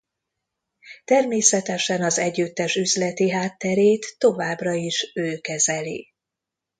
Természetesen az együttes üzleti hátterét továbbra is ő kezeli.